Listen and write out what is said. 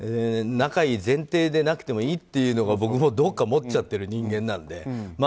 仲いい前提でなくていいというのは僕もどこか持っちゃってる人間なので。